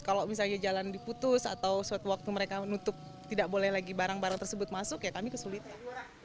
kalau misalnya jalan diputus atau suatu waktu mereka menutup tidak boleh lagi barang barang tersebut masuk ya kami kesulitan